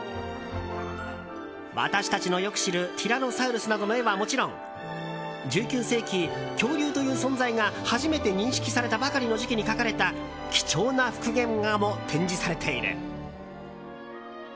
私たちのよく知るティラノサウルスなどの絵はもちろん１９世紀、恐竜という存在が初めて認識されたばかりの時期に描かれた貴重な復元画も展示されている。